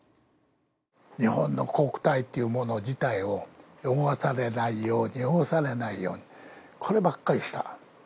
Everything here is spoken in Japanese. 日本の国体という自体を汚されないように、汚されないようにこればかりした。